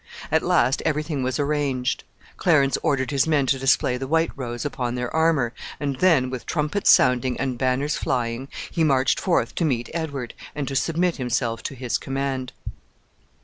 At last every thing was arranged. Clarence ordered his men to display the white rose upon their armor, and then, with trumpets sounding and banners flying, he marched forth to meet Edward, and to submit himself to his command.